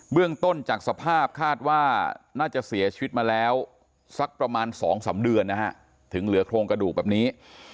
เรื่องต้นจากสภาพคาดว่าน่าจะเสียชีวิตมาแล้วสักประมาณ๒๓เดือนนะฮะถึงเหลือโครงกระดูกแบบนี้